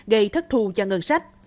gây thất thù cho ngân sách